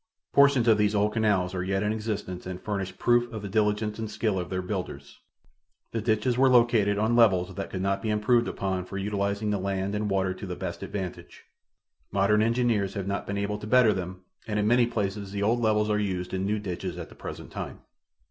Portions of these old canals are yet in existence and furnish proof of the diligence and skill of their builders. The ditches were located on levels that could not be improved upon for utilizing the land and water to the best advantage. Modern engineers have not been able to better them and in many places the old levels are used in new ditches at the present time.